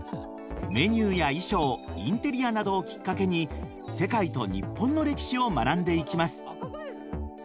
メニューや衣装インテリアなどをきっかけに世界と日本の歴史を学んでいきます。